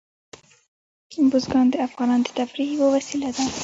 بزګان د افغانانو د تفریح یوه وسیله ده.